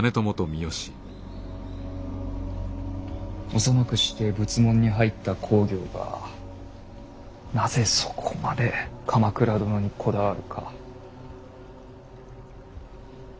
幼くして仏門に入った公暁がなぜそこまで鎌倉殿にこだわるか。